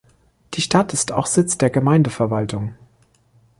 Die Stadt ist auch der Sitz der Gemeindeverwaltung.